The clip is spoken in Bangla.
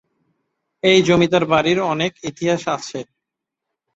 এই জমিদার বাড়ির অনেক ইতিহাস আছে।